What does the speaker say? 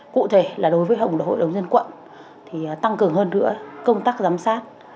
cụ thể là đối với hội đồng dân quận thì tăng cường hơn nữa công tác giám sát